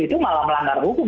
itu malah melanggar hukum